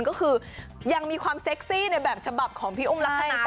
ก็คือยังมีความเซ็กซี่ในแบบฉบับของพี่อุ้มลักษณะ